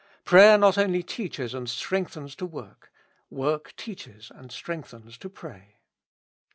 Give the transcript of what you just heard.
Prayer not only teaches and strengthens to work ; work teaches and strengtiiens to pray.